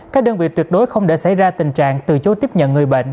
các đơn vị tuyệt đối không để xảy ra tình trạng từ chối tiếp nhận người bệnh